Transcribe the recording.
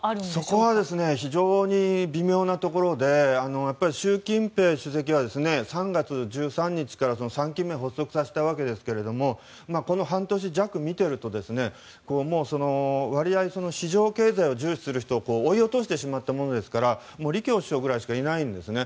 そこは非常に微妙なところで習近平主席は３月１３日から３期目を発足させたわけですがこの半年弱を見ていると割合、市場経済を重視する人を追い落としてしまったものでもう李強首相くらいしかいないんですね。